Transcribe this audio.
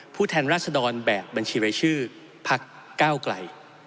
แทนราชดรแบบบัญชีรายชื่อพักก้าวไกล